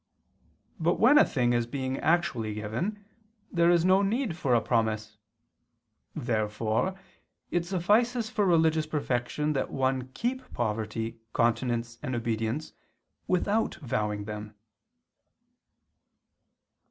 But when a thing is being actually given there is no need for a promise. Therefore it suffices for religious perfection that one keep poverty, continence, and obedience without. vowing them.